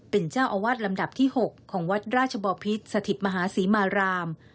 เป็นเจ้าอาวาสลำดับที่๖ของวัดราชบอพิษสถิตมหาศรีมาราม